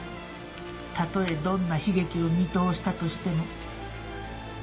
たとえどんな悲劇を見通したとしても。